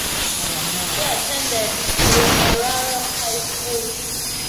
She attended Turramurra High School.